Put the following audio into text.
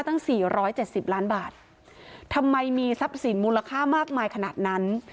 ตั้ง๔๗๐ล้านบาททำไมมีทรัพย์สินมูลค่ามากมายขนาดนั้น